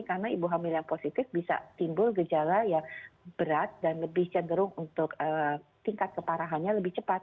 karena ibu hamil yang positif bisa timbul gejala yang berat dan lebih cenderung untuk tingkat keparahannya lebih cepat